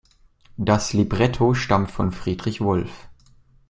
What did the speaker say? Das Libretto stammt von Friedrich Wolf.